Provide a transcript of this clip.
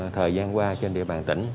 thời gian qua trên địa bàn tỉnh